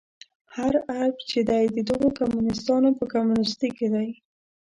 هر عیب چې دی د دغو کمونیستانو په کمونیستي کې دی.